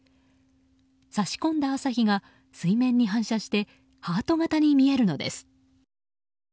差し込んだ朝日が水面に反射してハート形に見えるのです。